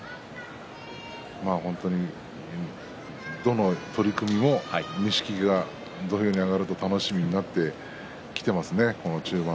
どの取組も錦木が土俵に上がると楽しみになってきていますね